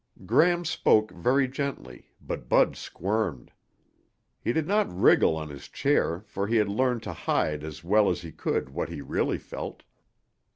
Gram spoke very gently, but Bud squirmed. He did not wriggle on his chair for he had learned to hide as well as he could what he really felt.